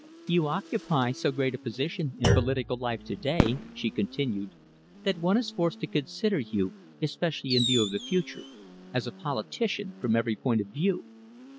"You occupy so great a position in political life to day," she continued, "that one is forced to consider you, especially in view of the future, as a politician from every point of view.